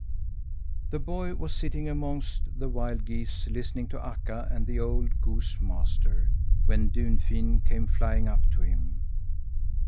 The boy was sitting amongst the wild geese, listening to Akka and the old goose master, when Dunfin came flying up to him.